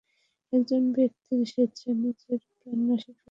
একজন ব্যাক্তির স্বেচ্ছায় নিজের প্রাণনাশের প্রক্রিয়ায় হচ্ছে আত্মহত্যা।